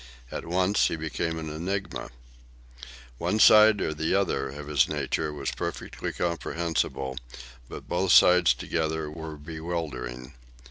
At once he became an enigma. One side or the other of his nature was perfectly comprehensible; but both sides together were bewildering.